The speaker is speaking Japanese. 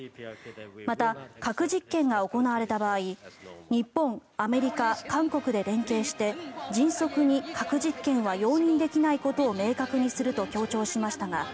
また、核実験が行われた場合日本、アメリカ、韓国で連携して迅速に核実験は容認できないことを明確にすると強調しました。